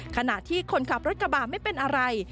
ขณะที่คนขับรถกระบะไม่เป็นอะไร